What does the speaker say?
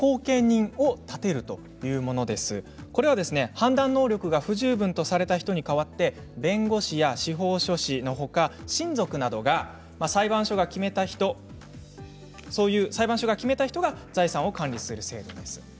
判断能力が不十分とされた人に代わって弁護士や司法書士のほか親族など、裁判所が決めた人が財産を管理する制度。